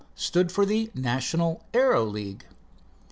stood for the National Aero League.